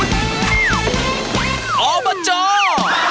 สวัสดีศาสดี